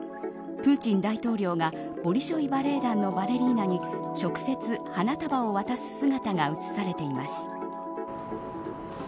プーチン大統領がボリショイ・バレエ団のバレリーナに直接花束を渡す姿が写されています。